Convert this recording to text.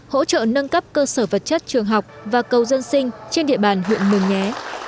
hỗ trợ nâng cấp cơ sở vật chất trường học và cầu dân sinh trên địa bàn huyện mường nhé